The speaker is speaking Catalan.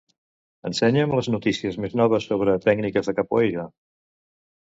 Ensenya'm les notícies més noves sobre tècniques de capoeira.